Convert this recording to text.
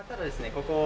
ここ。